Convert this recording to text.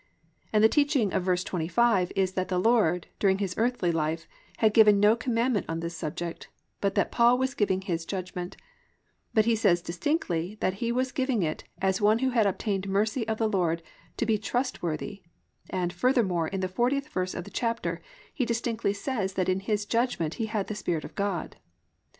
And the teaching of v. 25 is that the Lord, during His earthly life, had given no commandment on this subject, but that Paul was giving his judgment; but he says distinctly that he was giving it as one who had obtained mercy of the Lord to be trustworthy and furthermore, in the 40th verse of the chapter he distinctly says that in his judgment he had the Spirit of God.